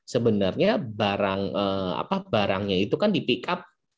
sebenarnya barangnya itu kan dipikap